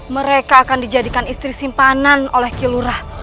mereka akan dijadikan istri simpanan oleh kilurah